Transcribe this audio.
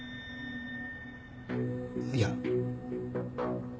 いや。